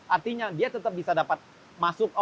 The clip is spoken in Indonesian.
artinya dia tetap bisa dapat masuk ke rumah yang tidak cocok